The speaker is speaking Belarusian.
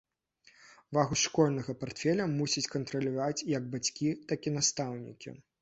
Вагу школьнага партфеля мусяць кантраляваць як бацькі, так і настаўнікі.